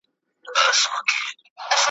لکه ماشوم پر ورکه لاره ځمه ,